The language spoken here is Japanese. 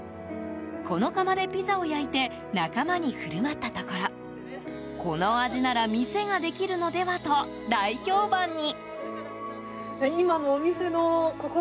この窯でピザを焼いて仲間に振る舞ったところこの味なら店ができるのではと大評判に。